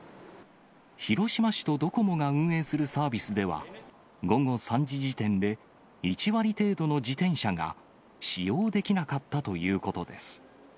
広島市とドコモが運営するサービスでは、午後３時時点で、１割程度の自転車が使用できなかったということです。